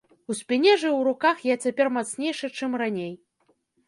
У спіне ж і ў руках я цяпер мацнейшы, чым раней.